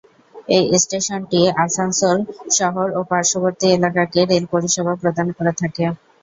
এই স্টেশনটি আসানসোল শহর ও পার্শ্ববর্তী এলাকাকে রেল-পরিষেবা প্রদান করে থাকে।